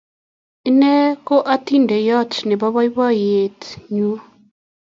inye ko atindeyot nebo baibayet nyu